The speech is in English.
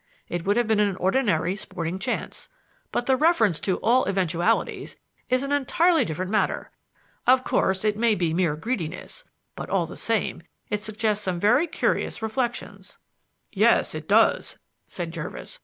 It would have been an ordinary sporting chance. But the reference to 'all eventualities' is an entirely different matter. Of course, it may be mere greediness, but all the same it suggests some very curious reflections." "Yes, it does," said Jervis.